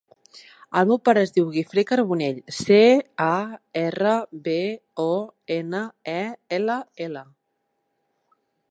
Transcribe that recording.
El meu pare es diu Guifré Carbonell: ce, a, erra, be, o, ena, e, ela, ela.